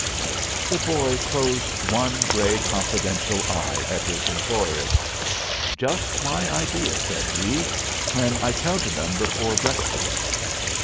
The boy closed one gray, confidential eye at his employer. "Just my idea," said he, "when I counted 'em before breakfast."